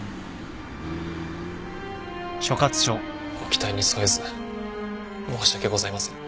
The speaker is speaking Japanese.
ご期待に沿えず申し訳ございません。